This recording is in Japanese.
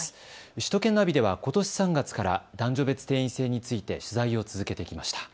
首都圏ナビではことし３月から男女別定員制について取材を続けてきました。